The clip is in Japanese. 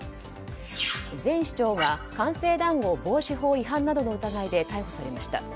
前市長が官製談合防止法違反などの疑いで逮捕されました。